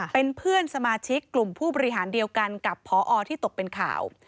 เป็นเพื่อนสมาชิกกลุ่มผู้บริหารเดียวกันกับพอที่ตกเป็นข่าว